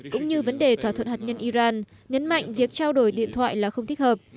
cũng như vấn đề thỏa thuận hạt nhân iran nhấn mạnh việc trao đổi điện thoại là không thích hợp